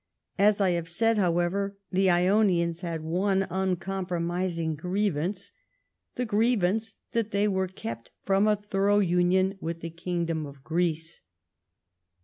As I have said, however, the lonians had one uncompromising grievance — the grievance that they were kept from a thorough union with the Kingdom of Greece.